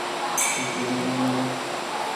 দিবে না মানে?